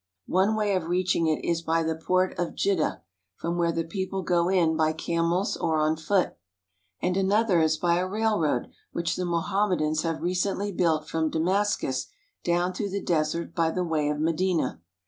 One way of reaching it is by the port of Jidda, from where the people go in by camels or on foot ; and another is by a railroad which the Mohammedans have recently built from Damascus down through the desert by the way of Medina.